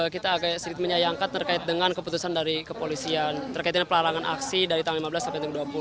kita agak sedikit menyayangkan terkait dengan keputusan dari kepolisian terkait dengan pelarangan aksi dari tahun dua ribu lima belas sampai dua ribu dua puluh